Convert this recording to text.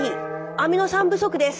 アミノ酸不足です！」。